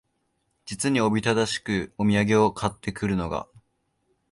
実におびただしくお土産を買って来るのが、